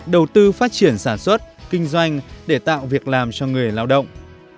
đầu tư phát triển sản xuất kinh doanh để tạo việc làm cho người lao động